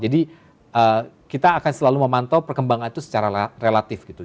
jadi kita akan selalu memantau perkembangan itu secara relatif gitu